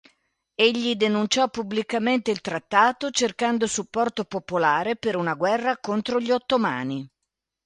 Egli denunciò pubblicamente il trattato, cercando supporto popolare per una guerra contro gli ottomani.